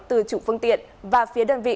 từ chủ phương tiện và phía đơn vị